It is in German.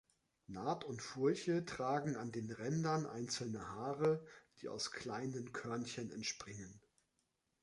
Naht und Furche tragen an den Rändern einzelne Haare, die aus kleinen Körnchen entspringen.